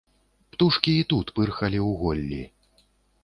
Птушкі і тут пырхалі ў голлі.